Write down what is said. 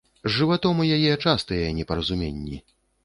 З жыватом у яе частыя непаразуменні.